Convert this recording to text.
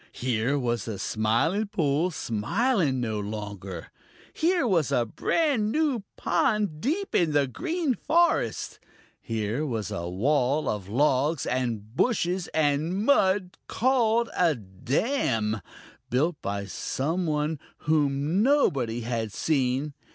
Here was the Smiling Pool smiling no longer. Here was a brand new pond deep in the Green Forest. Here was a wall of logs and bushes and mud called a dam, built by some one whom nobody had seen.